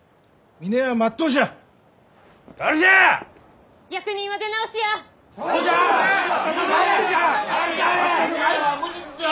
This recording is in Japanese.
峰屋は無実じゃ！